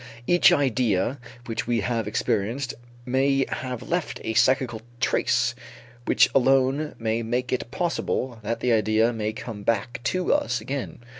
Each idea which we have experienced may have left a psychical trace which alone may make it possible that the idea may come back to us again.